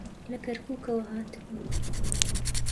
لە کەرکووکەوە هاتبوو.